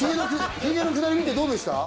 ヒゲのくだり見てどうでした？